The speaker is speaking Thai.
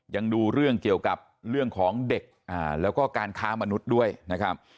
ดูเรื่องเกี่ยวกับเรื่องของเด็กแล้วก็การค้ามนุษย์ด้วยนะครับ